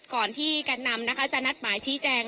ก่อนที่แก่นนำนะคะจะนัดหมายชี้แจง